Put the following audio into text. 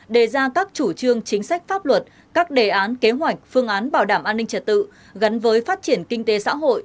đề ra các chủ trương chính sách pháp luật các đề án kế hoạch phương án bảo đảm an ninh trật tự gắn với phát triển kinh tế xã hội